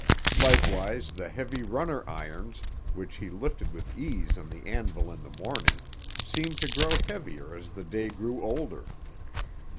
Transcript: Likewise the heavy runner irons, which he lifted with ease on the anvil in the morning, seemed to grow heavier as the day grew older.